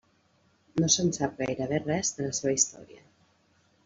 No se'n sap gairebé res de la seva història.